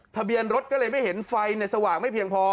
ทะเบียนรถก็เลยไม่เห็นไฟสว่างไม่เพียงพอ